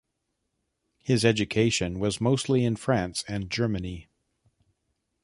His education was mostly in France and Germany.